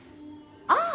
あぁ！